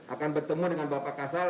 akan bertemu dengan bapak kasal